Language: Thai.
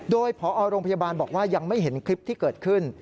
โดยพอโรงพยาบาลบอกว่ายังไม่เห็นคลิปที่เกิดขึ้น